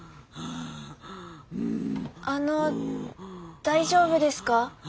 あの大丈夫ですか？